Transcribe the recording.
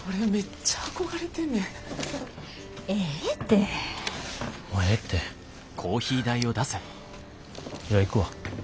じゃあ行くわ。